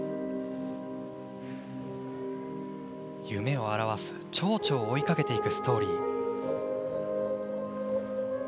夢を表すちょうちょを追いかけていくストーリー。